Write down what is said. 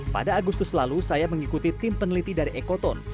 pada agustus lalu saya mengikuti tim peneliti dari ekoton